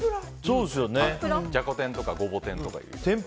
じゃこ天とかごぼ天とか。